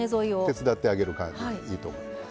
手伝ってあげる感じでいいと思います。